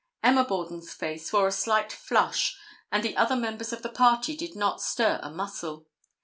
Emma Borden's face wore a slight flush and the other members of the party did not stir a muscle.